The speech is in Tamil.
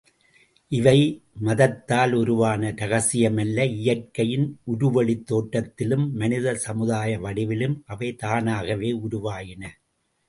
இவை மதத்தால் உருவான ரகசியமல்ல இயற்கையின் உருவெளித் தோற்றத்திலும், மனித சமுதாய வடிவிலும் அவை தானாகவே உருவாயின.